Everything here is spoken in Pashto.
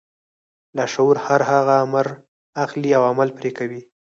لاشعور هر هغه امر اخلي او عمل پرې کوي.